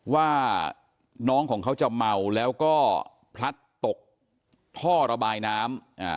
ว่าน้องของเขาจะเมาแล้วก็พลัดตกท่อระบายน้ำ